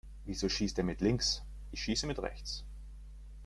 Wieso schießt der mit links? Ich schieße mit rechts.